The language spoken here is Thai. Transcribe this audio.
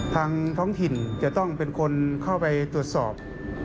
ท้องถิ่นจะต้องเป็นคนเข้าไปตรวจสอบ